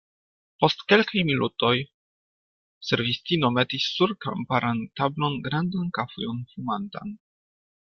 Post kelkaj minutoj, servistino metis sur kamparan tablon grandan kafujon fumantan.